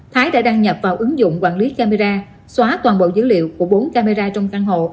thái đã đăng nhập vào ứng dụng quản lý camera toàn bộ dữ liệu của bốn camera trong căn hộ